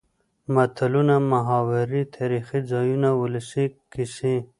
متلونه ،محاورې تاريخي ځايونه ،ولسي کسې.